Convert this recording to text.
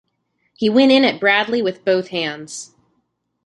He went in at Bradley with both hands.